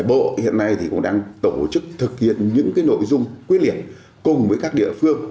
bộ hiện nay cũng đang tổ chức thực hiện những nội dung quyết liệt cùng với các địa phương